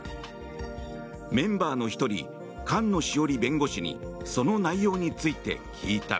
メンバーの１人菅野志桜里弁護士にその内容について聞いた。